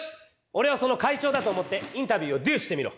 おれをその会長だと思ってインタビューをドゥしてみろ。